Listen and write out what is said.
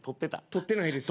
撮ってないです。